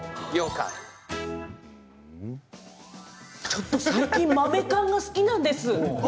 ちょっと最近豆かんが好きなんです！